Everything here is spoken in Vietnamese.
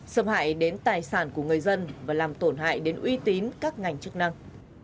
xâm hại đến tài sản của người dân và làm tổn hại đến uy tín các ngành chức năng